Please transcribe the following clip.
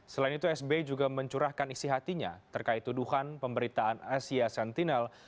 selain itu sbi juga mencurahkan isi hatinya terkait tuduhan pemberitaan asia sentinel